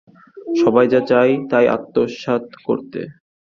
সবাই যা চায় তা আত্মসাৎ করতে?